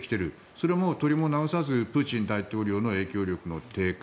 それもとりもなおさずプーチン大統領の影響力の低下